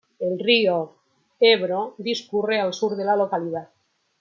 El río Ebro discurre al sur de la localidad.